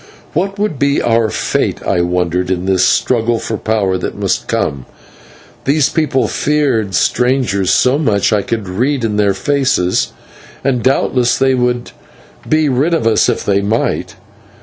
What would be our fate, I wondered, in this struggle for power that must come? These people feared strangers so much I could read in their faces and doubtless they would be rid of us if they might.